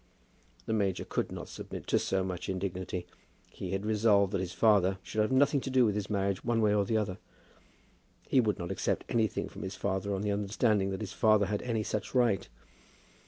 The major could not submit to so much indignity. He had resolved that his father should have nothing to do with his marriage one way or the other. He would not accept anything from his father on the understanding that his father had any such right.